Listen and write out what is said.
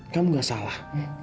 kamu gak salah